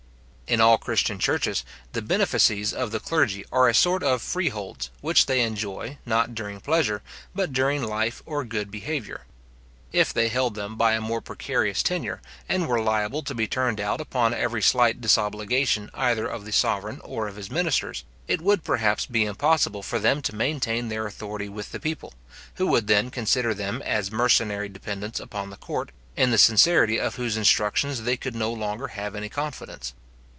In all Christian churches, the benefices of the clergy are a sort of freeholds, which they enjoy, not during pleasure, but during life or good behaviour. If they held them by a more precarious tenure, and were liable to be turned out upon every slight disobligation either of the sovereign or of his ministers, it would perhaps be impossible for them to maintain their authority with the people, who would then consider them as mercenary dependents upon the court, in the sincerity of whose instructions they could no longer have any confidence.